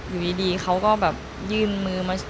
อยู่ดีเขาก็แบบยื่นมือมา